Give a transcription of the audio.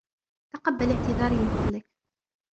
تقبل إعتذاري من فضلك.